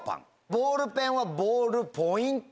ボールペンはボールポイントペン。